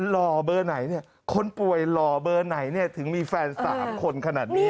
หล่อเบอร์ไหนเนี่ยคนป่วยหล่อเบอร์ไหนเนี่ยถึงมีแฟน๓คนขนาดนี้